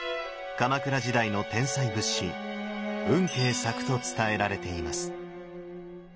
鎌倉時代の天才仏師運慶作と伝えられています。